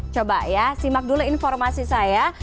coba ya simak dulu informasi saya